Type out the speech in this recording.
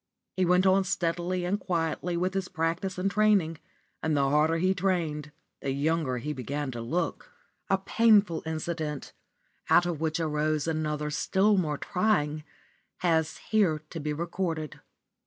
He went on steadily and quietly with his practice and training, and the harder he trained, the younger he began to look. A painful incident, out of which arose another still more trying, has here to be recorded.